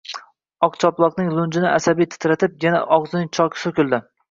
Oqchoponning lunji asabiy titrab, yana og‘zining choki so‘kildi: